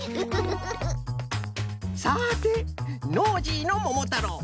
さてノージーの「ももたろう」